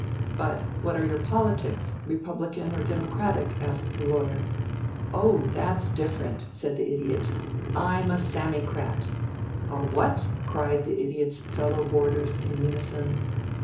"But what are your politics Republican or Democratic?" asked the Lawyer. "Oh, that's different," said the Idiot. "I'm a Sammycrat." "A what?" cried the Idiot's fellow boarders in unison.